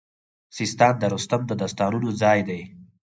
سیستان د رستم د داستانونو ځای دی